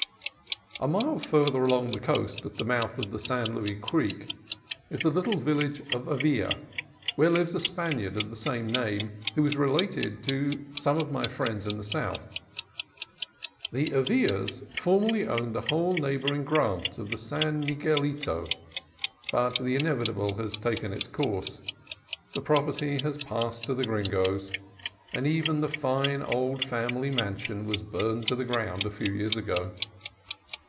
A mile farther along the coast, at the mouth of the San Luis Creek, is the little village of Avila, where lived a Spaniard of the same name who was related to some of my friends in the south. The Avilas for merly owned the whole neighboring grant of the San Miguelito, but the inevitable has taken its course; the property has passed to the Gringos, and even the fine old family mansion was burned to the ground a few years ago.